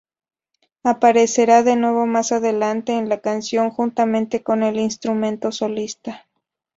Aparecerá de nuevo más adelante en la canción juntamente con el instrumento solista.